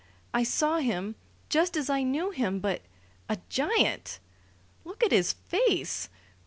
I saw him just as I knew him but a giant! Look at his face!